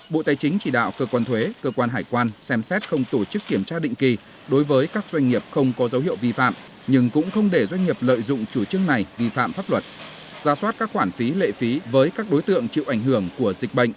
bộ tài chính chỉ đạo cơ quan thuế cơ quan hải quan xem xét không tổ chức kiểm tra định kỳ đối với các doanh nghiệp không có dấu hiệu vi phạm nhưng cũng không để doanh nghiệp lợi dụng chủ trương này vi phạm pháp luật ra soát các khoản phí lệ phí với các đối tượng chịu ảnh hưởng của dịch bệnh